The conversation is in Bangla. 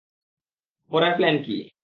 পরের প্ল্যান কী?